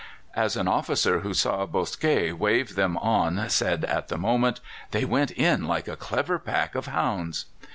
"As an officer who saw Bosquet wave them on said at the moment, 'They went in like a clever pack of hounds.